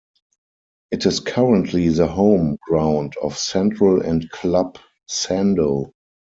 It is currently the home ground of Central and Club Sando.